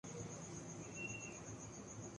پیر صاحب نے دوگھر بنا رکھے ہیں۔